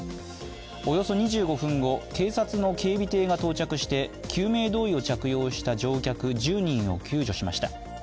およそ２５分後、警察の警備艇が到着して救命胴衣を着用した乗客１０人を救助しました。